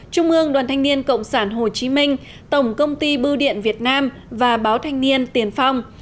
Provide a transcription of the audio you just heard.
trung ương đoàn thanh niên cộng sản hồ chí minh tổng công ty bưu điện việt nam và báo thanh niên tiền phong